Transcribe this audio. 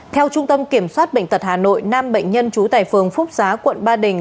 theo trung tâm kiểm soát bệnh tật hà nội nam bệnh nhân trú tại phường phúc giá quận ba đình